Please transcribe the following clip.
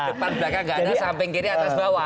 depan belakang gak ada samping kiri atas bawah